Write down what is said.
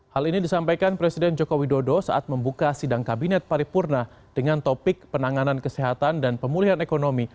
hal ini disampaikan presiden joko widodo saat membuka sidang kabinet paripurna dengan topik penanganan kesehatan dan pemulihan ekonomi